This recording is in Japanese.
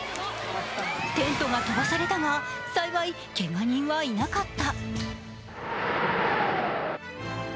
テントが飛ばされたが、幸い、けが人はいなかった。